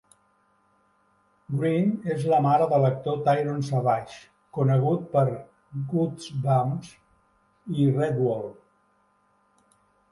Green és la mare de l'actor Tyrone Savage, conegut per "Goosebumps" i "Redwall".